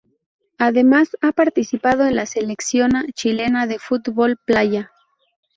Además ha participado en la Selecciona Chilena de Fútbol Playa.